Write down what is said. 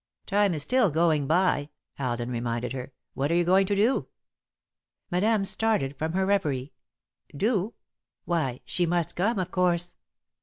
"Time is still going by," Alden reminded her. "What are you going to do?" Madame started from her reverie. "Do? Why, she must come, of course!"